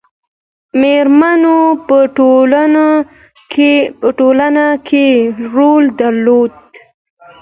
میرمنو په ټولنه کې رول درلود